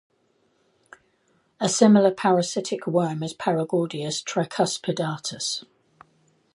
A similar parasitic worm is "Paragordius tricuspidatus".